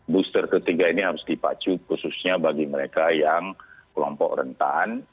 booster ketiga ini harus dipacu khususnya bagi mereka yang kelompok rentan